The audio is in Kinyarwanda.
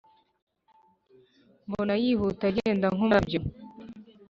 mbona yihuta agenda nkumurabyo